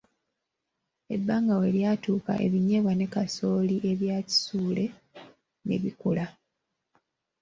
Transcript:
Ebbanga bwe lyatuuka ebinyeebwa ne kasooli ebya Kisuule ne bikula.